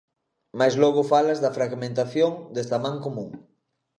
Mais logo falas da fragmentación desa Man Común.